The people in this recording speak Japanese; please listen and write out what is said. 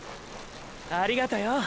ありがとよ